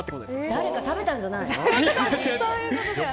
誰か食べたんじゃないの？